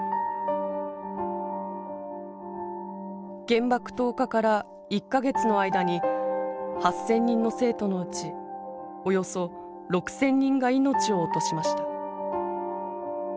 原爆投下から１か月の間に８，０００人の生徒のうちおよそ６，０００人が命を落としました。